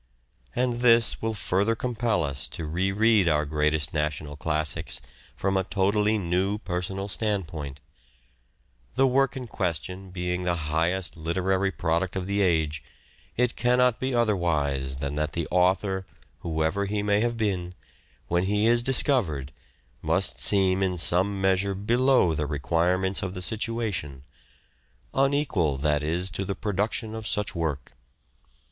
And this will further compel us to re read our greatest national classics from a totally new personal standpoint . The work in question being the highest literary product of the age, it cannot be otherwise than that the author, whoever he may have been, when he is discovered must seem in some measure below the requirements of the situation ; unequal, that is, to the production of such work.